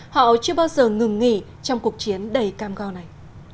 họ chưa bao giờ ngừng nghỉ trong cuộc chiến đầy cam go này